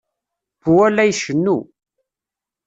Pua la icennu.